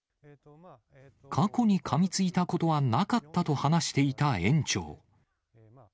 過去にかみついたことはなかったと話していた園長。